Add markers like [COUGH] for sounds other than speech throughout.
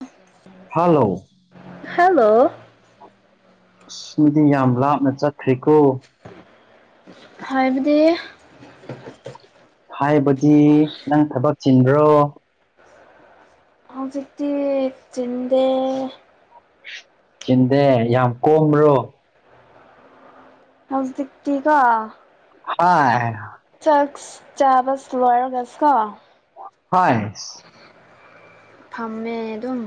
ꯑ hello hello ꯑꯁ ꯃꯤꯗꯤ ꯌꯥꯝ ꯂꯥꯞꯅ ꯆꯠꯈ꯭ꯔꯤꯀꯣ ꯍꯥꯏꯕꯗꯤ ꯍꯥꯏꯕꯗꯤ ꯅꯪ ꯊꯕꯛ ꯆꯤꯟꯕ꯭ꯔꯣ ꯍꯧꯖꯤꯛꯇꯤ ꯊꯤꯟꯗꯦ ꯆꯤꯟꯗꯦ ꯌꯥꯝ ꯀꯣꯝꯕ꯭ꯔꯣ ꯍꯧꯁ ꯗꯇꯤ ꯀ ꯍꯥ ꯆꯥꯛꯁ ꯆꯥꯕꯁ ꯂꯣꯏꯔꯣꯒꯁꯤ ꯀꯣ ꯍ ꯐꯝꯃꯦ ꯑꯗꯨꯝ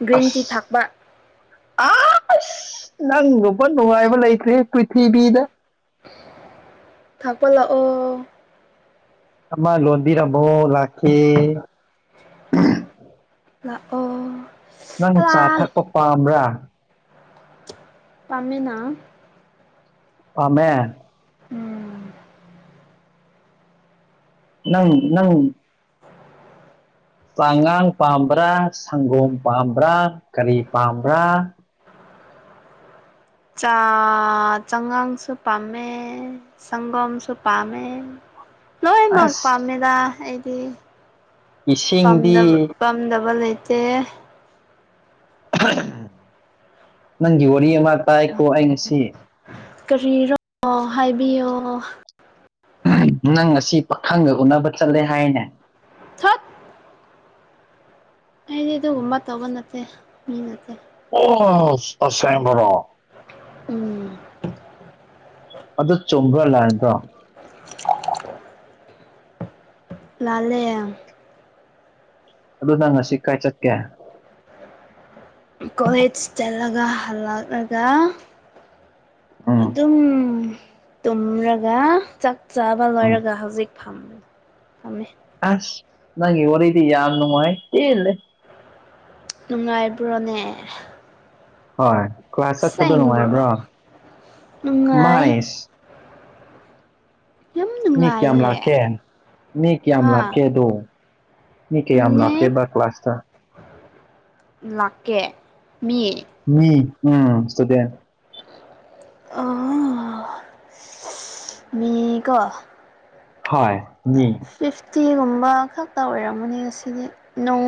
ꯒ꯭ꯔꯤꯟ ꯇꯤ ꯑꯁ ꯊꯛꯄ ꯑ ꯅꯪꯒꯨꯝꯕ ꯅꯨꯡꯉꯥꯏꯕ ꯂꯩꯇ꯭ꯦ ꯄ꯭ꯔꯤꯊꯤꯕꯤꯗ ꯊꯥꯛꯄ ꯂꯥꯛꯑꯣ ꯑꯃ ꯂꯣꯟꯕꯤꯔꯝꯃꯣ ꯂꯥꯛꯈꯤꯦ ꯂꯥꯛ ꯑꯣ ꯅꯪ ꯆꯥ ꯊꯛꯄ ꯄꯥꯝꯕ꯭ꯔꯥ ꯇꯥꯝꯃꯦꯅ ꯄꯥꯃꯦ ꯎꯝ ꯅꯪ ꯅꯪ ꯄꯥꯉꯥꯡ ꯄꯥꯝꯕ꯭ꯔꯥ ꯁꯪꯒꯣꯝ ꯄꯥꯝꯕ꯭ꯔꯥ ꯀꯔꯤ ꯄꯥꯝꯕ꯭ꯔꯥ ꯆꯥ ꯆꯉꯥꯡꯁꯨ ꯄꯥꯝꯃꯦ ꯁꯒꯝꯁꯨꯄꯥꯃꯦ ꯂꯣꯏꯅꯃꯛ ꯑꯁ ꯄꯥꯝꯃꯦꯗ ꯑꯩꯗꯤ ꯄꯥꯝꯗꯕ ꯏꯁꯤꯡꯗꯤ ꯄꯝꯗꯕ ꯂꯩꯇꯦ ꯅꯪꯒꯤ ꯋꯥꯔꯤ ꯑꯃ ꯇꯥꯏꯀꯣ ꯑꯩ ꯉꯁꯤ ꯀꯔꯤꯅꯣ ꯍꯥꯏꯕꯤꯌꯣ ꯅꯪ ꯑꯁꯤ ꯄꯥꯈꯪꯒ ꯎꯅꯕ ꯆꯠꯂꯦ ꯍꯥꯏꯅꯦ ꯊꯠ ꯑꯩꯗꯤ ꯑꯗꯨꯒꯨꯝꯕ ꯇꯧꯕ ꯅꯠꯇꯦ ꯃꯤ ꯅꯠꯇꯦ ꯑꯣ ꯑꯁꯦꯡꯕꯔꯣ ꯎꯝ ꯑꯗꯨ ꯆꯣꯡꯕ꯭ꯔꯥ ꯂꯥꯛꯕ꯭ꯔꯣ [UNINTELLIGIBLE] ꯂꯥꯂꯦ ꯑꯗꯨ ꯅꯪ ꯉꯁꯤ ꯀꯥꯏ ꯆꯠꯀꯦ ꯀꯣꯂꯦꯖ ꯆꯠꯂꯒ ꯍꯜꯂꯛꯂꯒ ꯎꯝ ꯑꯗꯨꯝ ꯇꯨꯝꯔꯒ ꯆꯥꯛ ꯆꯥꯕ ꯎꯝ ꯂꯣꯏꯔꯒ ꯍꯧꯖꯤꯛ ꯐꯝ ꯐꯝꯃꯦ ꯑꯁ ꯅꯪꯒꯤ ꯋꯥꯔꯤꯗꯤ ꯌꯥꯝꯅꯨꯡꯉꯥꯏ ꯄꯦꯟꯂꯦ ꯅꯨꯡꯉꯥꯏꯕ꯭ꯔꯣꯅꯦ ꯍꯣꯏ ꯀꯣꯁꯦꯁ ꯆꯠꯄꯗꯣ ꯑꯁꯦꯡꯕ꯭ꯔꯣ ꯅꯨꯡꯉꯥꯏꯕ꯭ꯔꯣ ꯅꯨꯡꯉꯥꯏ ꯃꯥꯥꯏꯁ ꯌꯥꯝ ꯃꯤ ꯅꯨꯡꯉꯥꯏꯌꯦ ꯀꯌꯥꯝꯂꯥꯛꯀꯦ ꯃꯤ ꯀꯌꯥꯝ ꯍꯥ ꯂꯥꯛꯀꯦꯗꯣ ꯃꯤ ꯀꯌꯥꯝ ꯃꯤꯅꯤꯠ ꯂꯥꯛꯀꯦꯕ ꯀ꯭ꯂꯥꯁꯇ ꯂꯥꯛꯀꯦ ꯃꯤ ꯃꯤ ꯎꯝ ꯁ꯭ꯨꯎꯗꯦꯠ ꯑꯣ ꯃꯤ ꯀꯣ ꯍꯣꯏ ꯃꯤ ꯐꯤꯐꯇꯤꯒꯨꯝꯕ ꯈꯛꯇ ꯑꯣꯏꯔꯝꯃꯅꯤꯗ ꯉꯁꯤꯗꯤ ꯅꯣꯡ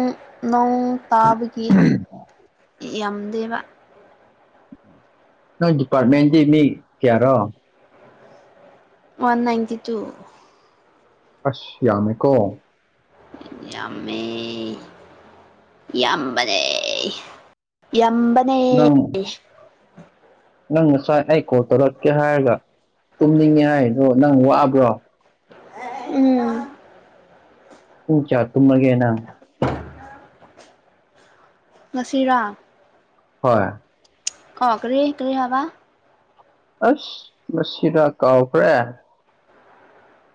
ꯅꯣꯡ ꯇꯥꯕꯒꯤ ꯌꯥꯝꯗꯦꯕ ꯅꯣꯏ ꯗꯤꯄꯥꯔꯠꯃꯦꯟꯗꯤ ꯃꯤ ꯀꯌꯥꯔꯣ ꯋꯥꯟ ꯅꯥꯟꯇꯤ ꯇꯨ ꯑꯁ ꯌꯥꯝꯃꯦꯀꯣ ꯃꯤꯗꯤ ꯌꯥꯝꯃꯦ ꯌꯥꯝꯕꯅꯦ ꯌꯥꯝꯕꯅꯦ ꯅꯪ ꯑꯦ ꯅꯪ ꯉꯁꯥꯏ ꯑꯩ ꯀꯣꯜ ꯇꯧꯔꯛꯀꯦ ꯍꯥꯏꯔꯒ ꯇꯨꯝꯅꯤꯡꯉꯦ ꯍꯥꯏꯗꯣ ꯅꯪ ꯋꯥꯕ꯭ꯔꯣ ꯎꯝ ꯄꯨꯡ ꯀꯌꯥ ꯇꯨꯝꯃꯒꯦꯅ ꯉꯁꯤꯔꯥ ꯍꯣꯏ ꯑ ꯀꯔꯤ ꯀꯔꯤ ꯍꯥꯏꯕ ꯑꯁ ꯃꯁꯤꯔ ꯀꯥꯎꯈ꯭ꯔꯦ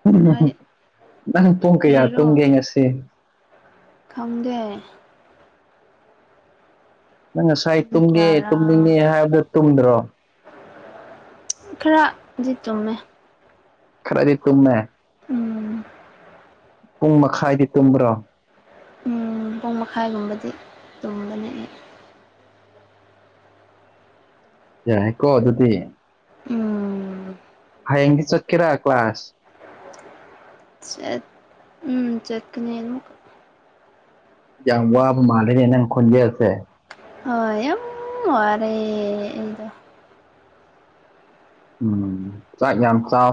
ꯎꯝ ꯍꯥꯏ ꯅꯪ ꯄꯨꯡ ꯀꯌꯥ ꯀꯔꯤꯔꯣ ꯇꯨꯝꯒꯦꯉꯁꯤ ꯈꯪꯗꯦ ꯅꯪ ꯉꯁꯥꯏ ꯄꯨꯡ ꯇꯨꯝꯒꯦ ꯇꯨꯝꯅꯤꯡꯉꯦ ꯍꯥꯏꯕꯗꯣ ꯇꯨꯝꯗ꯭ꯔꯣ ꯈꯔ ꯗꯤ ꯇꯨꯝꯃꯦ ꯈꯔꯗꯤ ꯇꯨꯝꯃꯦ ꯎꯝ ꯄꯨꯡ ꯃꯈꯥꯏꯗꯤ ꯇꯨꯝꯕ꯭ꯔꯣ ꯎꯝ ꯄꯨꯡ ꯃꯈꯥꯏꯒꯨꯝꯕꯗꯤ ꯇꯨꯝꯕꯅꯦ ꯑꯩ ꯌꯥꯏꯌꯦꯀꯣ ꯑꯗꯨꯗꯤ ꯎꯝ ꯍꯌꯦꯡꯗꯤ ꯆꯠꯀꯦꯔ ꯀ꯭ꯂꯥꯁ ꯆꯠ ꯎꯝ ꯆꯠꯀꯅꯤ ꯑꯃꯨꯛ ꯌꯥꯝ ꯋꯥꯕ ꯃꯥꯟꯂꯦꯅꯦ ꯅꯪ ꯈꯣꯜꯖꯦꯟ ꯁꯦ ꯍꯣꯏ ꯌꯥꯝ ꯋꯥꯔꯦ ꯑꯩꯗꯣ ꯎꯝ ꯆꯥꯛ ꯌꯥꯝ ꯆꯥꯎ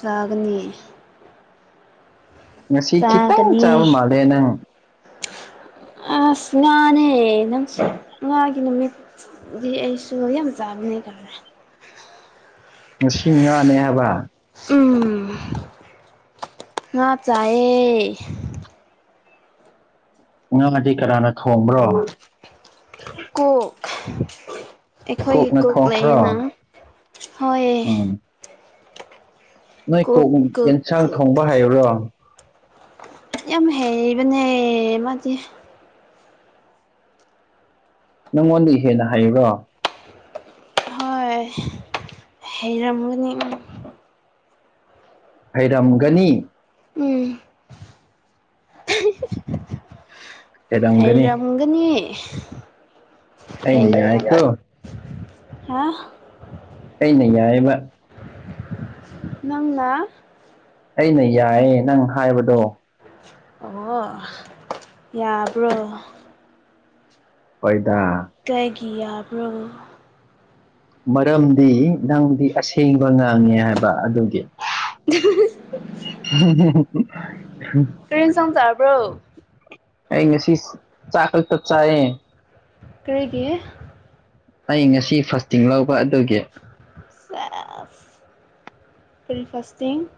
ꯆꯥꯒꯅꯤ ꯉꯁꯤ ꯈꯤꯇꯪ ꯆꯥꯕ ꯆꯥꯒꯅꯤ ꯃꯥꯜꯂꯦ ꯅꯪ ꯑꯁ ꯉꯥꯅꯦ ꯅꯪꯁꯨ ꯉꯥꯒꯤ ꯃꯃꯤꯡ ꯒꯤ ꯑꯩꯁꯨ ꯌꯥꯝ ꯆꯥꯕꯅꯦ ꯈꯥꯔꯦ ꯉꯁꯤ ꯉꯥꯅꯦ ꯍꯥꯏꯕ ꯎꯝ ꯉꯥ ꯆꯥꯏꯌꯦ ꯉꯥꯗꯤ ꯀꯅꯥꯅ ꯊꯣꯡꯕ꯭ꯔꯣ ꯀꯣꯛ ꯑꯩꯈꯣꯏꯒꯤ ꯀꯣꯛꯅ ꯀꯣꯛ ꯂꯩꯌꯦꯅ ꯊꯣꯡꯕ꯭ꯔꯣ ꯍꯣꯏ ꯎꯝ ꯅꯣꯏ ꯀꯣꯛ ꯌꯦꯟꯁꯥꯡ ꯊꯣꯡꯕ ꯍꯩꯕ꯭ꯔꯣ ꯌꯥꯝ ꯍꯩꯕꯅꯦ ꯃꯥꯗꯤ ꯅꯪꯉꯣꯟꯗꯒꯤ ꯍꯦꯟꯅ ꯍꯥꯏꯌꯨꯔꯣ ꯍꯣꯏ ꯍꯩꯔꯝꯒꯅꯤ ꯍꯩꯔꯝꯒꯅꯤ ꯎꯝ ꯍꯩꯔꯝꯒꯅꯤ ꯑꯩꯅ ꯍ ꯌꯥꯏꯀꯣ ꯍꯥ ꯑꯩꯅ ꯌꯥꯏꯕ ꯅꯪꯅ ꯑꯩꯅ ꯌꯥꯏꯌꯦ ꯅꯪ ꯍꯥꯏꯕꯗꯣ ꯑꯣ ꯌꯥꯕ꯭ꯔꯣ ꯐꯣꯏꯗꯥ ꯀꯒꯤꯌꯥꯕ꯭ꯔꯣ ꯃꯔꯝꯗꯤ ꯅꯪꯗꯤ ꯑꯁꯦꯡꯕ ꯉꯥꯡꯉꯦ ꯍꯥꯏꯕ ꯑꯗꯨꯒꯤ [INAUDIBLE] [UNINTELLIGIBLE] ꯇ꯭ꯔꯔꯤꯦꯟ ꯆꯣꯡ ꯆꯥꯔꯕ꯭ꯔꯣ ꯑꯩ ꯉꯁꯤ ꯆꯥꯛ ꯈꯛꯇ ꯆꯥꯏꯌꯦ ꯀꯔꯤꯒꯤ ꯑꯩ ꯉꯁꯤ ꯐꯥꯔꯁꯇꯤꯡ ꯂꯧꯕ ꯑꯗꯨꯒꯤ ꯕ꯭ꯔꯦꯛꯐꯥꯁꯥꯁꯇꯤꯡ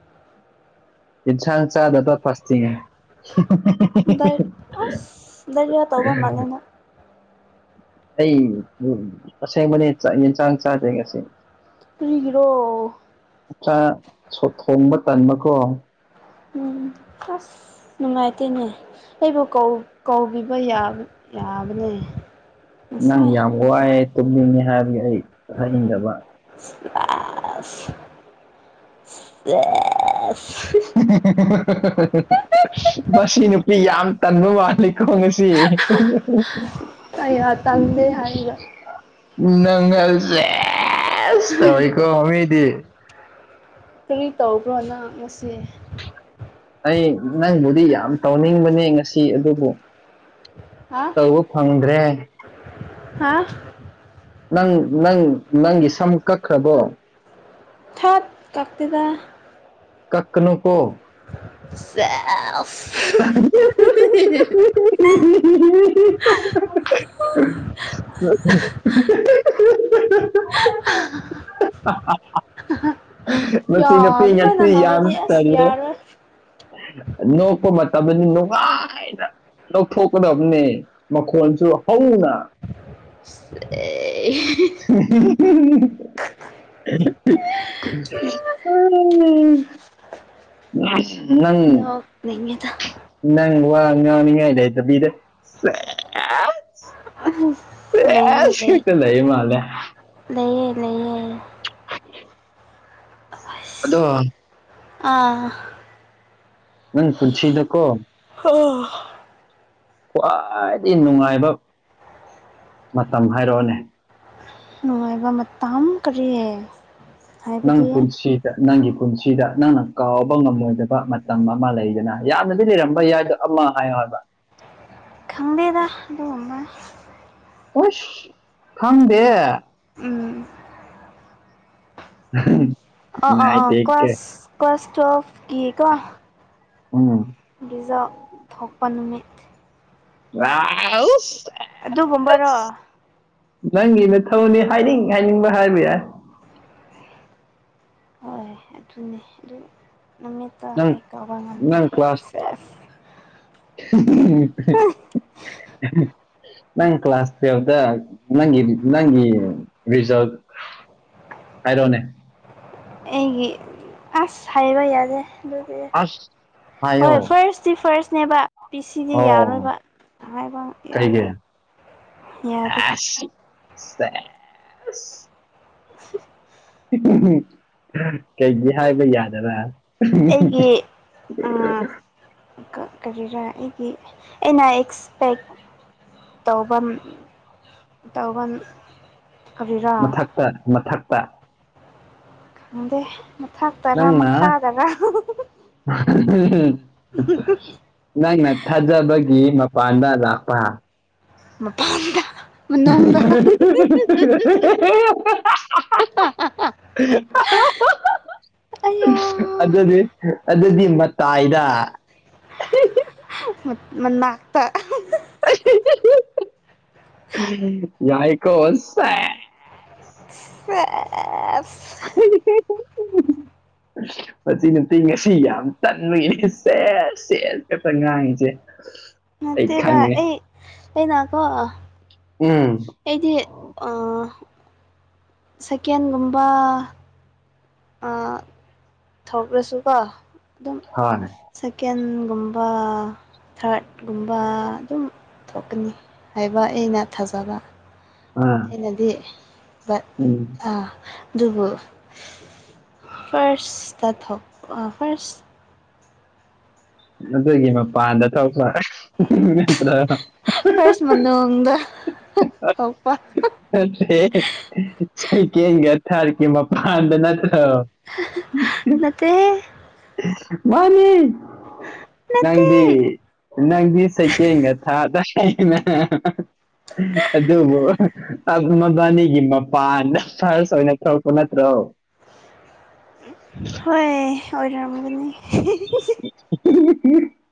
ꯏꯁꯥꯡ ꯆꯥꯗꯠꯇ ꯐꯁꯤꯇꯉ ꯗꯥ ꯑꯁ ꯗꯥꯏꯔꯤꯌꯥ ꯇꯧꯕ ꯃꯥꯜꯂꯦ ꯅꯪ ꯑꯩ ꯑꯁꯦꯡꯕꯅꯦ ꯆꯥꯛ ꯏꯟꯁꯥꯡ ꯆꯥꯗꯦ ꯉꯁꯤ ꯀꯔꯤꯒꯤꯔꯣ ꯆꯥꯛ ꯊ‌ꯣꯡ ꯊꯣꯡꯕ ꯇꯟꯕꯀꯣ ꯎꯝ ꯑꯁ ꯅꯨꯡꯉꯥꯏꯇꯦꯅꯦ ꯑꯩꯕꯨ ꯀꯧ ꯀꯧꯕꯤꯕ ꯌꯥ ꯌꯥꯕꯅꯦ ꯅꯪ ꯉꯁꯥꯏ ꯌꯥꯝ ꯋꯥꯏꯑꯦ ꯇꯨꯝꯅꯤꯡꯅꯤ ꯍꯥꯏꯕꯒꯤ ꯑꯩ ꯍꯥꯏꯅꯤꯡꯗꯕ ꯑꯥꯖ [UNINTELLIGIBLE] [UNINTELLIGIBLE] ꯃꯁꯤ ꯅꯨꯄꯤ ꯌꯥꯝ ꯇꯟꯕ ꯃꯥꯜꯂꯤꯀ‌ꯣ ꯉꯁ [UNINTELLIGIBLE] ꯁꯤ ꯑꯩꯌꯥ ꯇꯜꯂꯦ ꯍꯥꯏꯔꯒ [UNINTELLIGIBLE] ꯅꯪꯒꯜ ꯆꯦꯁ ꯇꯧꯏꯀꯣ ꯃꯤꯗꯤ ꯀꯔꯤ ꯇꯧꯕ꯭ꯔꯣ ꯅ ꯉꯁꯤ ꯑꯩ ꯅꯪꯕꯨꯗꯤ ꯌꯥꯝ ꯇꯧꯅꯤꯡꯕꯅꯦ ꯉꯁꯤ ꯑꯗꯨꯕꯨ ꯍꯥ ꯇꯧꯕ ꯐꯪꯗ꯭ꯔꯦ ꯍꯥ ꯅꯪ ꯅꯪ ꯅꯪꯒꯤ ꯁꯝ ꯀꯛꯈ꯭ꯔꯕꯣ ꯊꯠ ꯀꯥꯛꯇ‌ꯦꯗ ꯀꯛꯀꯅꯨꯀꯣ ꯁꯦ [INAUDIBLE] [UNINTELLIGIBLE] [INAUDIBLE] [UNINTELLIGIBLE] ꯌꯥ ꯃꯁꯤ ꯅꯨꯄꯤ ꯑꯗꯨꯃꯥꯏꯅ ꯅꯠꯇ‌ꯦ ꯌꯥꯝ ꯅꯧꯔꯗꯤ ꯑꯁ ꯇꯜꯂꯦ ꯌꯥꯔꯣꯏ ꯅ‌ꯣꯛ ꯄ ꯃꯇꯝꯗ ꯅꯨꯡꯉꯥꯏꯅ ꯅ‌ꯣꯛꯊꯣꯛꯀꯗꯕꯅꯦ ꯃꯈꯣꯟꯁꯨ ꯍꯧꯅ [UNINTELLIGIBLE] [UNINTELLIGIBLE] [UNINTELLIGIBLE] ꯑꯁ ꯅꯪ ꯅꯣꯛꯅꯤꯡꯉꯤꯗ ꯅꯪ ꯋꯥ ꯉꯥꯡꯅꯤꯡꯉꯥꯏ ꯂꯩꯇꯕꯤꯗ ꯁ‌ꯦ ꯂꯩ ꯂꯩ ꯍꯦꯛꯇ ꯃꯥꯜꯂꯦ ꯂꯩꯌ‌ꯦ ꯂꯩꯌ‌ꯦ ꯑꯁ ꯑꯗꯣ ꯑꯥ ꯎꯪ ꯄꯨꯟꯁꯤꯗ ꯀꯣ [UNINTELLIGIBLE] ꯈ꯭ꯋꯥꯏꯗꯒꯤ ꯅꯨꯡꯉꯥꯏꯕ ꯃꯇꯝ ꯍꯥꯏꯔꯛꯑꯣꯅꯦ ꯅꯨꯡꯉꯥꯏꯕ ꯃꯇꯝ ꯀꯔꯤ ꯅꯪ ꯍꯥꯏꯕꯗꯤ ꯄꯨꯟꯁꯤ ꯗ ꯅꯪꯒꯤ ꯄꯨꯟꯁꯤꯗ ꯅꯪꯅ ꯀꯥꯎꯕ ꯉꯝꯃꯣꯏꯗꯕ ꯃꯇꯝ ꯑꯃ ꯂꯩꯗꯅ ꯌꯥꯝꯅꯗꯤ ꯂꯩꯔꯝꯕ ꯌꯥꯏꯗ‌ꯣ ꯑꯃ ꯍꯥꯏꯌ‌ꯣ ꯍꯥꯏꯕ ꯂꯩꯗ‌ꯦꯗ ꯑꯗꯨꯒꯨꯝꯕ ꯍꯁ ꯈꯪꯗꯦ ꯎꯝ [UNINTELLIGIBLE] ꯑ ꯑ ꯑ ꯅꯨꯡꯉꯥꯏꯇꯦꯀꯦ ꯀ꯭ꯂꯥꯁ ꯀ꯭ꯂꯥꯁ ꯇꯨꯌ‌ꯦꯜꯐ ꯀꯤ ꯀꯣ ꯎꯝ ꯒꯤꯖꯥ ꯊꯣꯛꯄ ꯅꯨꯃꯤꯠ ꯔꯥꯎꯁ ꯑꯗꯨꯒꯨꯝꯕꯔꯣ ꯅꯪꯒꯤ ꯃꯊꯧꯅꯤ ꯍꯥꯏꯅꯤꯡ ꯍꯥꯏꯅꯤꯡꯕ ꯍꯥꯏꯕ ꯌꯥꯏ ꯍꯣꯏ ꯑꯗꯨꯅꯦ ꯑꯗꯨ ꯅꯨꯃꯤꯠꯇ ꯅꯪ ꯑꯩ ꯀꯧꯕ ꯉꯝꯗꯦꯦ ꯎ ꯅꯪ ꯀ ꯀ꯭ꯂꯥꯁꯎꯗ ꯅꯪ ꯅꯪ ꯔꯔꯤꯁꯥꯎꯗ ꯍꯥꯏꯔꯣꯅꯦ ꯑꯩꯒꯤ ꯑꯁ ꯍꯥꯏꯕ ꯌꯥꯗꯦ ꯑꯗꯨꯗꯤ ꯑꯁ ꯍꯥꯏꯌꯣ ꯍꯣꯏ ꯐꯥꯔꯁ ꯁꯤ ꯐꯥꯔꯁꯅꯦꯕ ꯄꯤꯤ ꯁꯤꯗꯤ ꯌꯥꯔꯣꯏꯕ ꯑꯣ ꯍꯥꯏꯥꯏꯕ ꯀꯩꯒꯤ ꯌꯥꯔꯣꯏ ꯌꯥꯗꯦ ꯑꯁ [INAUDIBLE] ꯀꯩꯒꯤ ꯍꯥꯏꯕ ꯌꯥꯗꯕꯥ ꯎꯝ ꯑꯩꯒꯤ ꯀꯔꯤꯔꯥ ꯑꯩꯒꯤ ꯑꯩꯅ ꯑꯦꯛꯁꯄꯦꯛ ꯇꯧꯐꯝꯟ ꯇꯧꯧꯕꯟ ꯃꯊꯛꯇ ꯃꯊꯛꯇ ꯈꯪꯗꯦ ꯃꯊꯥꯛꯇꯔꯥ ꯅꯪꯅ ꯃꯈꯥꯗꯔꯥ [INAUDIBLE] ꯅꯪꯅ ꯊꯥꯖꯕꯒꯤ ꯃꯄꯥꯟꯗ ꯂꯥꯛꯄ ꯃꯄꯥꯟꯗ ꯃꯅꯨꯡꯗ [INAUDIBLE] ꯑꯥ ꯑꯥ [INAUDIBLE] ꯑꯌꯥ ꯑꯗꯨꯗꯤ ꯑꯗꯨꯗꯤ ꯃꯇꯥꯏꯗ ꯃꯅꯥꯛꯇ ꯌꯥꯏꯀꯣꯦ ꯁ ꯑꯦꯁ [INAUDIBLE] ꯃꯁꯤ ꯅꯠꯇꯦ ꯉꯁꯤ ꯌꯥꯝ ꯇꯟꯕꯒꯤꯅꯦ ꯁꯦꯠ ꯁꯦꯁ ꯈꯛꯇ ꯉꯥꯡꯉꯁꯦ [UNINTELLIGIBLE] ꯇꯩꯗꯦ ꯑꯩ ꯑꯩꯅꯀꯣ ꯎꯝ ꯑꯩꯗꯤ ꯁꯥꯏꯀꯦꯟꯒꯨꯝꯕ ꯊꯧꯔꯛꯂꯁꯨꯀꯣ ꯑꯗꯨꯝ ꯍꯣꯏ ꯁꯦꯀꯦꯟꯒꯨꯝꯕ ꯊꯥꯔꯠꯀꯨꯝꯕ ꯑꯗꯨꯝ ꯊꯣꯛꯀꯅꯤ ꯍꯥꯏꯕ ꯑꯩꯅ ꯊꯥꯖꯕ ꯑꯥ ꯑꯟꯅꯗꯤ ꯑꯥ ꯎꯝ ꯑꯗꯨꯕꯨ ꯐꯔꯁꯇ ꯊꯣꯛ ꯐꯥꯁ ꯑꯗꯨꯒꯤ ꯃꯄꯥꯟꯗ ꯊꯣꯛꯄ ꯅꯠꯇ꯭ꯔ ꯐꯥꯔꯁ ꯃꯅꯨꯡꯗ ꯊꯣꯛꯄ ꯅꯠꯇ꯭ꯔꯦ ꯏꯀꯦꯟꯒꯤ ꯊꯥꯔꯤꯛꯀꯤ ꯃꯄꯥꯟꯗ ꯅꯠꯇ꯭ꯔꯣ ꯅꯠꯇꯦ ꯍꯦ ꯃꯥꯅꯤ ꯅꯠꯇꯦ ꯅꯪꯕꯤ ꯅꯪꯗꯤ ꯁꯦꯀꯦꯟꯒ ꯊꯥꯗ ꯑꯗꯨ ꯑꯗꯨ ꯄꯃꯕꯥꯅꯤꯒꯤ ꯃꯄꯥꯟꯗ ꯐꯥꯔꯁ ꯑꯣꯏꯅ ꯊꯣꯛꯂꯛꯄ ꯅꯠꯇ꯭ꯔꯣ ꯍꯣꯏ ꯑꯣꯏꯔꯝꯒꯅꯤ [UNINTELLIGIBLE]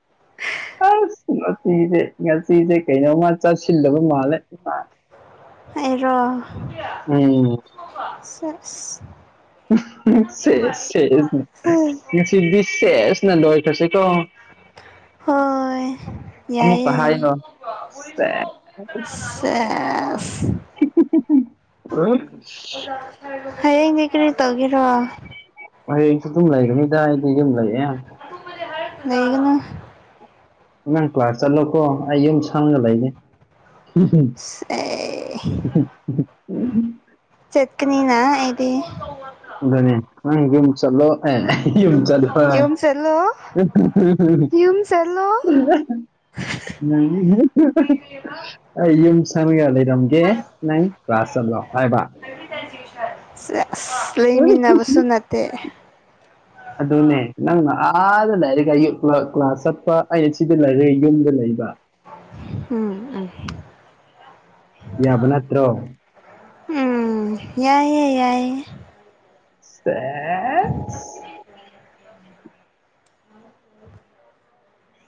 ꯑꯁ ꯉꯁꯤꯁꯦ ꯉꯥꯁꯤꯁꯦ ꯀꯩꯅꯣꯃ ꯆꯥꯁꯤꯜꯂꯕ ꯃꯥꯜꯂꯦ ꯏꯃ ꯑꯩꯔꯣ ꯎꯝ [UNINTELLIGIBLE] ꯁꯦꯁ ꯁꯦꯁꯅ ꯉꯁꯤꯗꯤ ꯁꯦꯁꯅ ꯂꯣꯏꯈ꯭ꯔꯁꯤꯀꯣ ꯍꯣꯏ ꯑꯃꯨꯛꯀ ꯌꯥꯏꯌꯦ ꯍꯥꯏꯅꯣ [UNINTELLIGIBLE] [UNINTELLIGIBLE] ꯍꯡꯡ ꯀ꯭꯭ꯔꯦ ꯇꯒꯤꯔꯣ ꯍꯩꯌꯦꯡꯁꯨ ꯑꯗꯨꯝ ꯂꯩꯈ꯭ꯔꯅꯤꯗ ꯑꯩꯗꯤ ꯑꯗꯨꯝ ꯂꯩꯌꯦ ꯂꯩꯒꯅꯣ ꯅꯥꯡ ꯀ꯭ꯂꯥꯁ ꯆꯠꯂꯣꯀꯣ ꯑꯩ ꯌꯨꯝ ꯁꯪꯒ ꯂꯩꯒꯦ ꯑꯦ [UNINTELLIGIBLE] ꯆꯠꯀꯤꯅꯤꯅꯥ ꯑꯩꯗꯤ ꯑꯗꯨꯅꯦ ꯅꯪ ꯌꯨꯝ ꯆꯠꯂꯣ ꯌꯨꯝ [UNINTELLIGIBLE] ꯍꯂꯣ [UNINTELLIGIBLE] ꯑꯩ ꯌꯨꯝ ꯁꯪꯉꯒ ꯂꯩꯔꯝꯒꯦ ꯅꯪ ꯀ꯭ꯂꯥꯁ ꯆꯠꯂꯣ ꯍꯥꯏꯕ ꯑꯁ ꯂꯩꯃꯤꯟꯅꯕꯁꯨ ꯅꯠꯇꯦ ꯑꯗꯨꯅꯦ ꯅꯪꯅ ꯑꯥꯗ ꯂꯩꯔꯒ ꯀ꯭ꯂꯥꯁ ꯆꯠꯄ ꯑꯩ ꯁꯤꯗ ꯂꯩꯔꯒ ꯌꯨꯝꯗ ꯂꯩꯕ ꯎꯝ ꯌꯥꯕ ꯅꯠꯇ꯭ꯔꯣ ꯎꯝ ꯌꯥꯏꯌꯦ ꯌꯥꯏꯌꯦ [UNINTELLIGIBLE] [UNINTELLIGIBLE]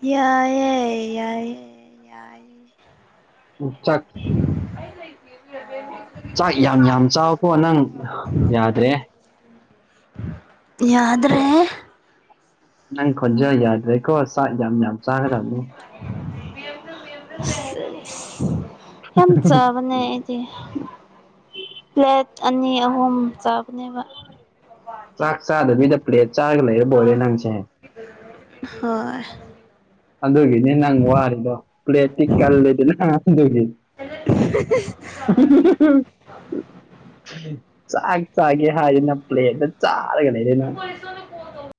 ꯌꯥꯏ ꯌꯥꯏ ꯎ ꯆꯠ [UNINTELLIGIBLE] ꯆꯥꯛ ꯌꯥꯝ ꯌꯥꯝ ꯆꯥꯎꯕꯀꯣ ꯅꯪ ꯌꯥꯗ꯭ꯔꯦ ꯌꯥꯗꯔꯦ ꯅꯪ ꯈꯖ ꯌꯥꯗ꯭ꯔꯦꯀꯣ ꯌꯥꯝ ꯌꯥꯝ ꯆꯥꯈ꯭ꯔꯕꯅꯤ ꯅꯤ ꯌꯥꯝ ꯆꯥꯕꯅꯦꯗꯤ ꯄ꯭ꯂꯦꯠ ꯑꯅꯤ ꯑꯍꯨꯝ ꯆꯥꯕꯅꯦꯕ ꯆꯥꯛ ꯆꯥꯗꯕꯕꯤꯗ ꯄ꯭ꯂꯦꯠ ꯆꯥꯔꯒ ꯂꯩꯔꯦ ꯕꯣꯂꯦ ꯅꯪꯁꯦ ꯍꯣꯏ ꯑꯗꯨꯒꯤꯅꯦ ꯅꯪ ꯋꯥꯔꯤꯗꯣ ꯄ꯭ꯂꯦꯠꯇꯤ ꯀꯜꯂꯦꯗ ꯅ ꯑꯗꯨꯒꯤ [INAUDIBLE] [INAUDIBLE] ꯆꯥꯛ ꯆꯥꯒꯦ ꯍꯥꯏꯔꯤꯅ ꯄ꯭ꯂꯦꯠꯇ ꯆꯥꯔꯒ ꯂꯩꯔꯦꯅ